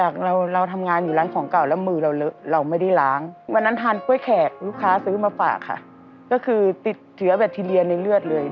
แบทีเรียในกระแสเลือดเลย